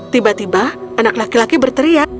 tiba tiba anak laki laki berteriak